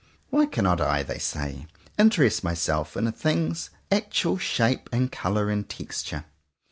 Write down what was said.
Why cannot I, they say, interest myself in a thing's actual shape and colour and texture?